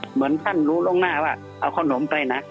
เหมือนท่านรู้ล่วงหน้าว่าเอาขนมไปนะ